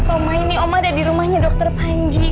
oma ini oma ada di rumahnya dokter panji